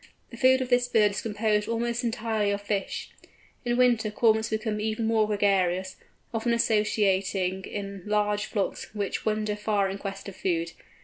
The food of this bird is composed almost entirely of fish. In winter Cormorants become even more gregarious, often associating in large flocks which wander far in quest of food.